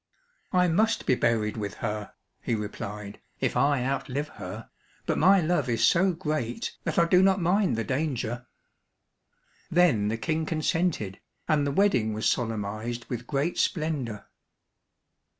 "I must be buried with her," he replied, "if I outlive her, but my love is so great that I do not mind the danger." Then the King consented, and the wedding was solemnized with great splendour.